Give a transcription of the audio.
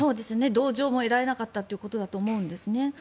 同情も得られなかったということだと思うんですね。